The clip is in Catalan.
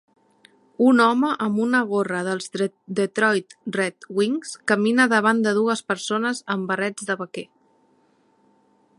Un home amb una gorra dels Detroit Red Wings camina davant de dues persones amb barrets de vaquer.